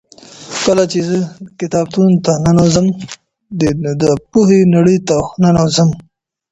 کله چې زه کتابتون ته ننوځم نو د پوهې نړۍ ته ننوځم.